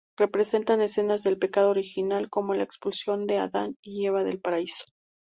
Representan escenas del "pecado original" como la expulsión de Adán y Eva del paraíso.